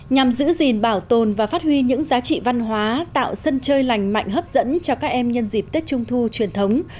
nhằm giữ gìn bảo tồn và phát huy những giá trị văn hóa tạo sân chơi lành mạnh hấp dẫn cho các em nhân dịp tết trung thu truyền thống